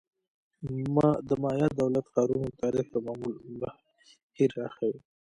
د مایا دولت-ښارونو تاریخ یو معمول بهیر راښيي.